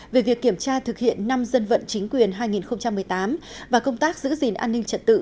về việc kiểm tra thực hiện năm dân vận chính quyền hai nghìn một mươi tám và công tác giữ gìn an ninh trật tự